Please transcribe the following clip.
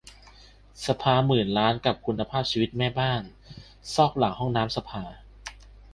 สภาหมื่นล้านกับคุณภาพชีวิตแม่บ้านซอกหลังห้องน้ำสภา !